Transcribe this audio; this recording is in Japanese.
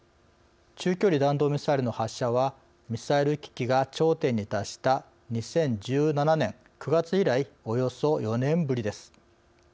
中距離弾道ミサイルの発射はミサイル危機が頂点に達した２０１７年９月以来およそ４年ぶりです。